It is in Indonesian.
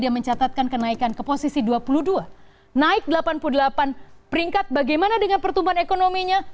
dia mencatatkan kenaikan ke posisi dua puluh dua naik delapan puluh delapan peringkat bagaimana dengan pertumbuhan ekonominya